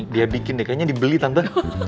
dia bikin deh kayaknya dibeli tanpa